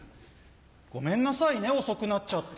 ごめんなさいね遅くなっちゃって。